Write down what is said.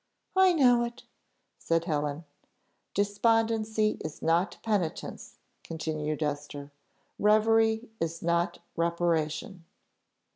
"I know it," said Helen. "Despondency is not penitence," continued Esther: "reverie is not reparation."